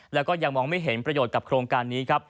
แล้วก็ยังมองไม่เห็นประโยชน์กับโครงการนี้ครับ